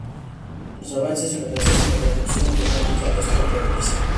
Con los avances en la traducción automática, esto progresa.